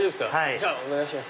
じゃあお願いします。